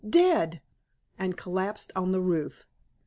Dead!" and collapsed on the roof.